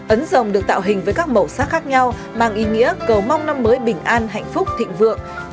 ấn dòng được tạo hình với các màu sắc khác nhau mang ý nghĩa cầu mong năm mới bình an hạnh phúc thịnh vượng